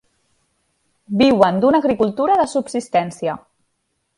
Viuen d'una agricultura de subsistència.